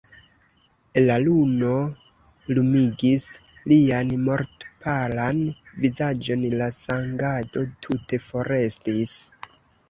La luno lumigis lian mortpalan vizaĝon, la sangado tute forestis.